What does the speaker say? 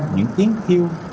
những tiếng thiêu